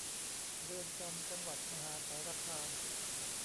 เรือนจำจังหวัดมหาสารคาม